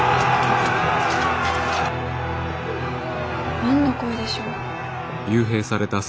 何の声でしょう？